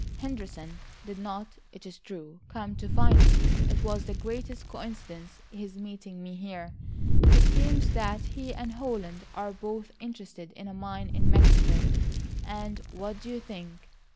Henderson did not, it is true, come to find me. It was the greatest coincidence his meeting me here. It seems that he and Holland are both interested in a mine in Mexico, and what do you think?"